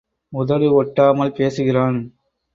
உதடு ஒட்டாமல் பேசுகிறான்.